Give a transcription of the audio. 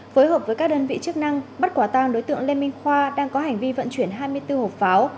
phối hợp với các đơn vị chức năng bắt quả tang đối tượng lê minh khoa đang có hành vi vận chuyển hai mươi bốn hộp pháo